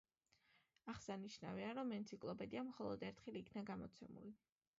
აღსანიშნავია, რომ ენციკლოპედია მხოლოდ ერთხელ იქნა გამოცემული.